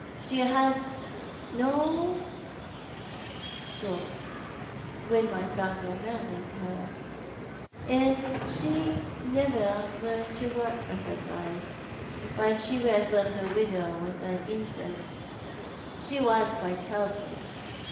She had no dot when my father married her, and she had never learnt to work for her bread. When she was left a widow with an infant she was quite helpless.